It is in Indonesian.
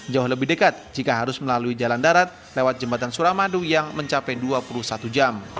jauh lebih dekat jika harus melalui jalan darat lewat jembatan suramadu yang mencapai dua puluh satu jam